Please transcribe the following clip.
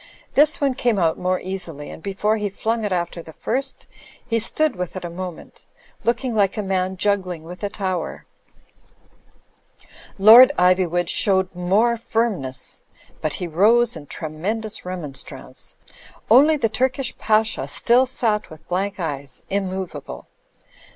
This one came out more easily; and before he flung it after the first, he stood with it a moment; looking like a man juggling with a tower. . Lord Iv3nvood showed more firmness; but he rose in tremendous remonstrance. Only the Turkish Pasha still sat with blank eyes, immovable.